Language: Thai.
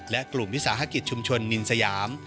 และกลุ่มวิสาหกิจชุมชนนินสยาม